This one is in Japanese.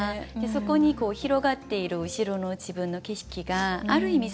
そこに広がっている後ろの自分の景色がある意味